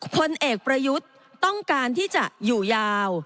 พลเอกประยุทธ์ต้องการที่จะอยู่ยาว